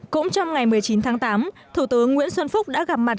cũng trong ngày một mươi chín tháng tám thủ tướng nguyễn xuân phúc đã gặp mặt